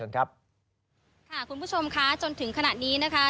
คุณผู้ชมคะจนถึงขณะนี้นะคะ